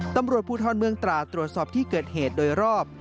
ตำรวจภูทรเมืองตราดตรวจสอบที่เกิดเหตุโดยรอบ